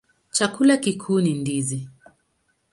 Chakula kikuu ni ndizi.